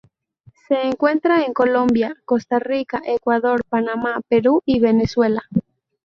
Se encuentra en Colombia, Costa Rica, Ecuador, Panamá, Perú y Venezuela.